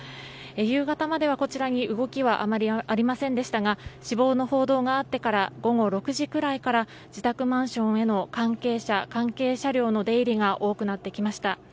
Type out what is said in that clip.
夕方まではこちらに動きはあまりありませんでしたが死亡の報道があってから午後６時くらいから自宅マンションへの関係者関係車両の出入りが多くなってきました。